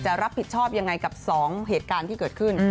รับผิดชอบยังไงกับ๒เหตุการณ์ที่เกิดขึ้น